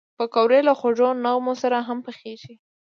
پکورې له خوږو نغمو سره هم پخېږي